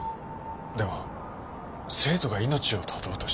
でも生徒が命を絶とうとした。